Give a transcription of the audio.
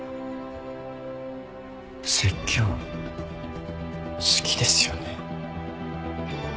説教好きですよね？